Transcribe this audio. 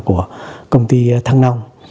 của công ty thăng nong